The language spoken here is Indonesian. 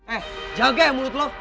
eh jaga ya mulut lo